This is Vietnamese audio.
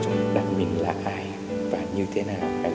chúng ta mình là ai và như thế nào